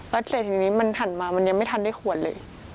แล้วเสร็จทีนี้มันหันมามันยังไม่ทันได้ขวดเลย